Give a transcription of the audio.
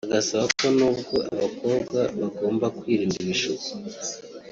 agasaba ko n’ubwo abakobwa bagomba kwirinda ibishuko